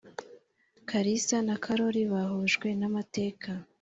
karisa na karori bahujwe namateka